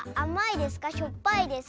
しょっぱいですか？